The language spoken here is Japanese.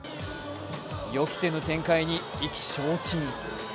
予期せぬ展開に意気消沈。